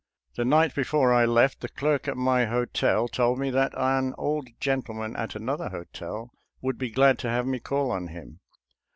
The night before I left, the clerk at my hotel told me that an old gentleman at another hotel would be glad to have me call on him.